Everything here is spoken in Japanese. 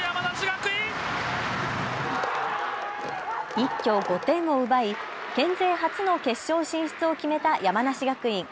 一挙５点を奪い県勢初の決勝進出を決めた山梨学院。